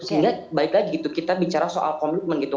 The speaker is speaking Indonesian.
sehingga kita bicara soal komitmen gitu